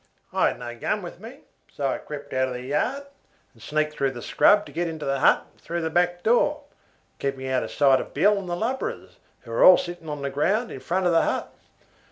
"I had no gun with me, so I crept out of the yard, and sneaked through the scrub to get into the hut through the back door, keeping out of sight of Bill and the lubras, who were all sitting on the ground in front of the hut.